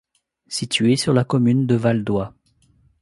Situé sur la commune de Valdoie.